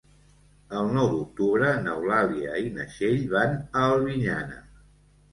El nou d'octubre n'Eulàlia i na Txell van a Albinyana.